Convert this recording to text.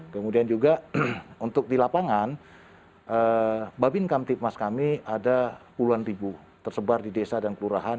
kemudian juga untuk di lapangan babin kamtipmas kami ada puluhan ribu tersebar di desa dan kelurahan